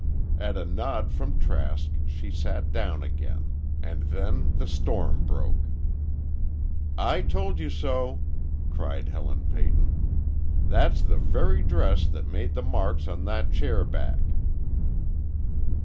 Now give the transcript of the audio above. At a nod from Trask she sat down again, and then the storm broke. "I told you so!" cried Helen Peyton. "That's the very dress that made the marks on that chair back!